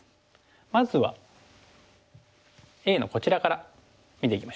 まずはＡのこちらから見ていきましょうかね。